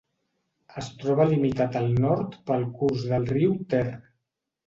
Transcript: Es troba limitat al nord pel curs del riu Ter.